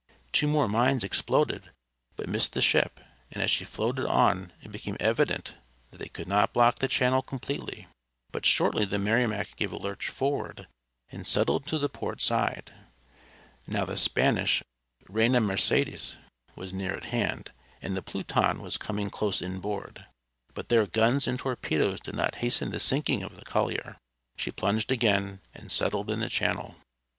Two more mines exploded, but missed the ship, and as she floated on it became evident that they could not block the channel completely. But shortly the Merrimac gave a lurch forward and settled to the port side. Now the Spanish Reina Mercedes was near at hand, and the Pluton was coming close inboard, but their guns and torpedoes did not hasten the sinking of the collier. She plunged again and settled in the channel.